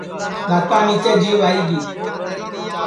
دؔاتا نیچے جیٻ آئی گی